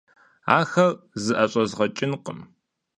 Ахэр зыӀэщӀэзгъэкӀынкъым.